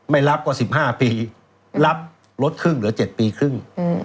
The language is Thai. ไม่รับก็๑๕ปีรับลดครึ่งเหลือ๗ปีครึ่ง